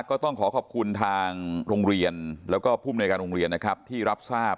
ก็ต้องขอขอบคุณทางโรงเรียนแล้วก็ภูมิในการโรงเรียนนะครับที่รับทราบ